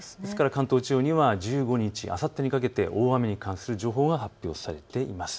関東地方には１５日、あさってにかけて大雨に関する情報が発表されています。